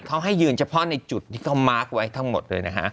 เขาให้ยืนเฉพาะในจุดที่เขามาร์คไว้ทั้งหมดเลยนะฮะ